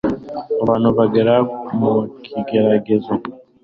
Abantu bagera mu kigeragezo